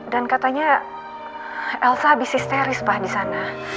dan katanya elsa abis histeris pa disana